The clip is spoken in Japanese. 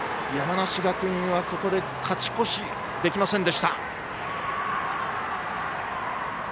山梨学院はここで勝ち越しできませんでした。